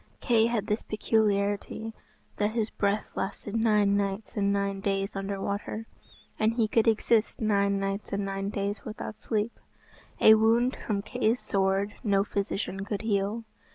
Kay had this peculiarity, that his breath lasted nine nights and nine days under water, and he could exist nine nights and nine days without sleep. A wound from Kay's sword no physician could heal.